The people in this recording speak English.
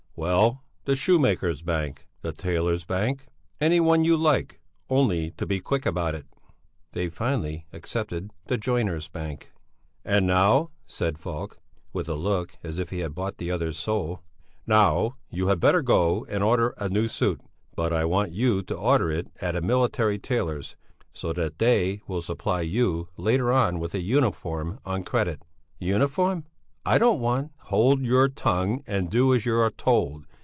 "Well, the Shoemakers' Bank, the Tailors' Bank, any one you like, only do be quick about it." They finally accepted the Joiners' Bank. "And now," said Falk, with a look as if he had bought the other's soul, "now you had better go and order a new suit; but I want you to order it at a military tailor's, so that they will supply you later on with a uniform on credit." "Uniform? I don't want " "Hold your tongue, and do as you are told!